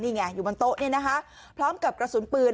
นี่ไงอยู่บนโต๊ะนี่นะคะพร้อมกับกระสุนปืน